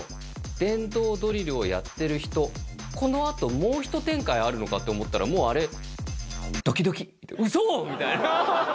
電動ドリルをやってる人、このあともう一展開あるのかと思ったら、もうあれ、ドキドキ、うそ？みたいな。